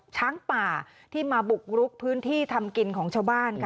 ช้างป่าที่มาบุกรุกพื้นที่ทำกินของชาวบ้านค่ะ